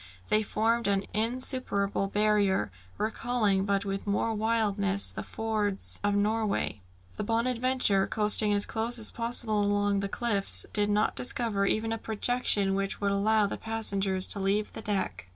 They formed an insuperable barrier, recalling, but with more wildness, the fiords of Norway. The Bonadventure, coasting as close as possible along the cliffs, did not discover even a projection which would allow the passengers to leave the deck.